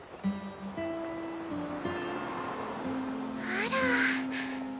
あら。